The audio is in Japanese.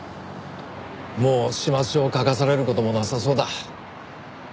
もう始末書を書かされる事もなさそうだ。